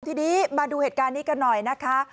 ทีนี้มาดูเหตุการณ์นี้กันหน่อยนะคะ